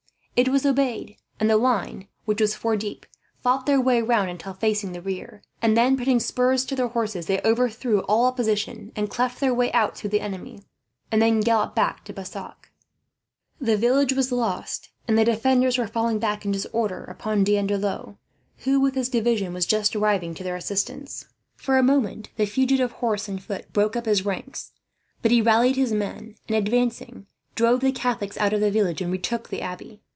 It was obeyed, and the line, which was four deep, fought their way round until facing the rear; and then, putting spurs to their horses, they overthrew all opposition and cleft their way out through the enemy, and then galloped back to Bassac. The village was lost, and the defenders were falling back in disorder upon D'Andelot; who, with his division, was just arriving to their assistance. For a moment, the fugitive horse and foot broke up his ranks. But he rallied his men and, advancing, drove the Catholics out of the village and retook the abbey.